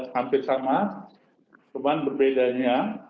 hampir sama cuman berbedanya